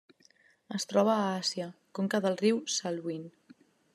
Es troba a Àsia: conca del riu Salween.